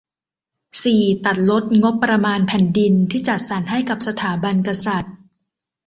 สี่ ตัดลดงบประมาณแผ่นดินที่จัดสรรให้กับสถาบันกษัตริย์